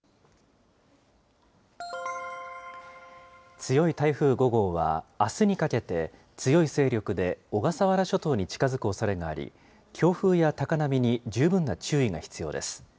強い台風５号は、あすにかけて強い勢力で小笠原諸島に近づくおそれがあり、強風や高波に十分な注意が必要です。